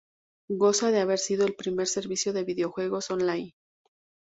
Goza de haber sido el primer servicio de videojuegos online.